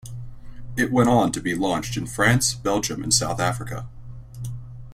It went on to be launched in France, Belgium and South Africa.